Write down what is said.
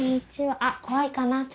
あっ怖いかな。